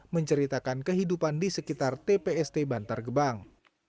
menceritakan kehidupan di sekitar tpst bantar gebang